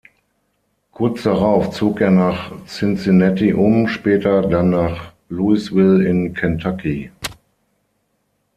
Kurz darauf zog er nach Cincinnati um, später dann nach Louisville in Kentucky.